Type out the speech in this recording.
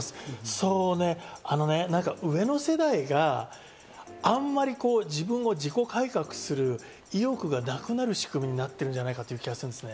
そうね、上の世帯があまり自分を自己改革する意欲がなくなる仕組みになっているんじゃないかという気がします。